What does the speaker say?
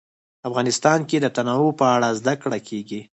افغانستان کې د تنوع په اړه زده کړه کېږي.